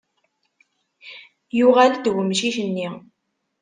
Yuɣal-d umcic-nni.